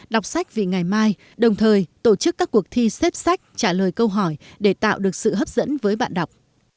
đọc sách vì ngày mai đồng thời tổ chức các cuộc thi xếp sách trả lời câu hỏi để tạo được sự hấp dẫn với bạn đọc